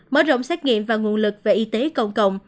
mở rộng xét nghiệm và nguồn lực về y tế công cộng